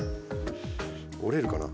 折れるかな？